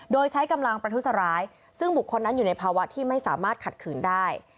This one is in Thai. โดยใช้กำลังประทุษร้ายซึ่งบุคคลนั้นอยู่ในภาวะที่ไม่สามารถขัดขืนได้